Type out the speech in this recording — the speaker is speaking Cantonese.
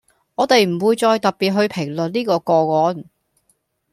我哋唔會再特別去評論呢個個案